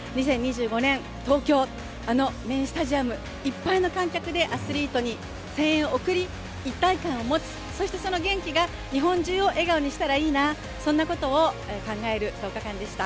２０２５年、東京、あのメインスタジアムいっぱいの観客でアスリートに声援を送り、一体感を持つ、そしてその元気が日本中を笑顔にしたらいいな、そんなことを考える１０日間でした。